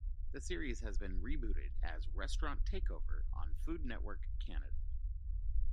The series has been rebooted as "Restaurant Takeover" on Food Network Canada.